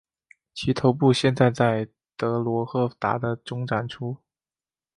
其头部现在在德罗赫达的中展出。